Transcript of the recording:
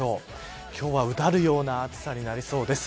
今日は、うだるような暑さになりそうです。